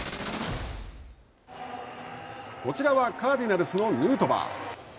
こちらは、カーディナルスのヌートバー。